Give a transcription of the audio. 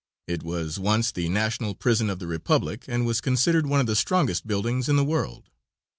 It was once the national prison of the Republic, and was considered one of the strongest buildings in the world.